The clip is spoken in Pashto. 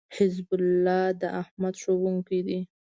حزب الله داحمد ښوونکی دی